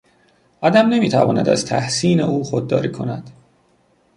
آدم نمیتواند از تحسین او خودداری کند.